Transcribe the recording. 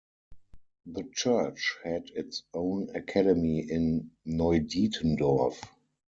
The church had its own academy in Neudietendorf.